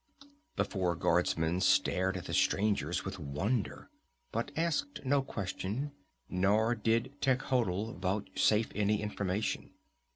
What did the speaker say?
The four guardsmen stared at the strangers with wonder, but asked no question, nor did Techotl vouchsafe any information.